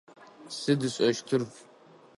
Сыд ышӏэщтыр?